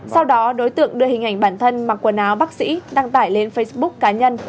sau đó đối tượng đưa hình ảnh bản thân mặc quần áo bác sĩ đăng tải lên facebook cá nhân